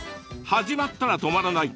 始まったら止まらない。